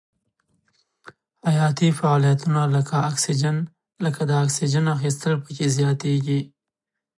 حیاتي فعالیتونه لکه د اکسیجن اخیستل پکې زیاتیږي.